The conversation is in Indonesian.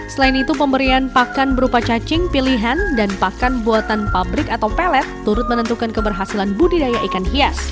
selain itu pemberian pakan berupa cacing pilihan dan pakan buatan pabrik atau pelet turut menentukan keberhasilan budidaya ikan hias